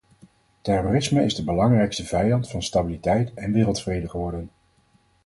Terrorisme is de belangrijkste vijand van stabiliteit en wereldvrede geworden.